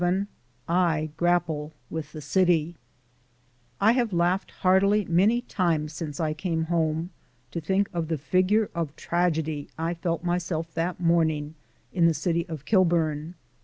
I COME TO GRAPPLE WITH THE CITY I have laughed heartily many times since I came home to think of the Figure of Tragedy I felt myself that morning in the city of Kilburn.